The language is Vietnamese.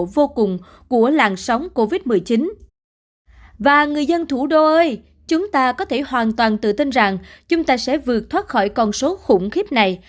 và người dân thủ đô ari chúng ta có thể hoàn toàn tự tin rằng chúng ta sẽ vượt thoát khỏi con số khủng khiếp này